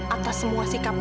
atas semua sikap papa